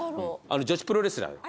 女子プロレスラーよ。